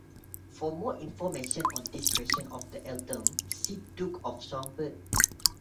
For more information on this creation of the earldom, see Duke of Schomberg.